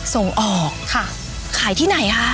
ส่งออกค่ะขายที่ไหนคะ